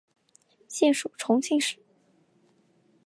现属重庆市。